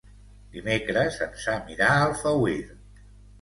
Dimecres en Sam irà a Alfauir.